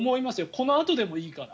このあとでもいいから。